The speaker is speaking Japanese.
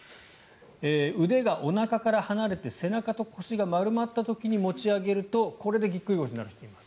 腕がおなかから離れて背中と腰が丸まった時に持ち上げると、これでぎっくり腰になる人がいます。